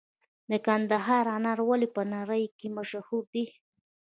د کندهار انار ولې په نړۍ کې مشهور دي؟